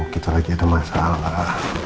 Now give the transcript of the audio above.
kita lagi ada masalah